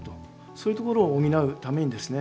そういうところを補うためにですね